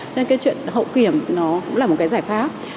cho nên cái chuyện hậu kiểm nó cũng là một cái giải pháp